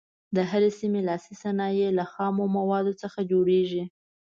د هرې سیمې لاسي صنایع له خامو موادو څخه جوړیږي.